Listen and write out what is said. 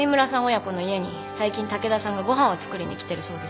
親子の家に最近竹田さんがご飯を作りに来てるそうですよ。